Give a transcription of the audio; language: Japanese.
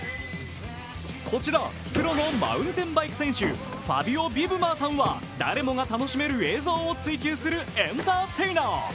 こちらプロのマウンテンバイク選手、ファイビオヴィブマーさんは誰もが楽しめる映像を追求するエンターテイナー。